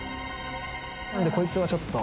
なのでこいつをちょっと。